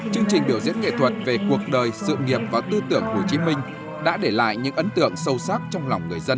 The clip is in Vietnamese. chương trình biểu diễn nghệ thuật về cuộc đời sự nghiệp và tư tưởng hồ chí minh đã để lại những ấn tượng sâu sắc trong lòng người dân